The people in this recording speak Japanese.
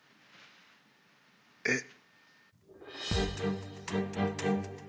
「えっ？」